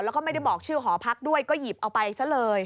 แล้วก็ไม่ได้บอกชื่อหอพักด้วยก็หยิบเอาไปซะเลย